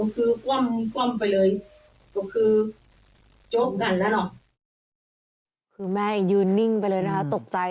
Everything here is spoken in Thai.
คือแม่ยืนนิ่งไปเลยนะคะตกใจ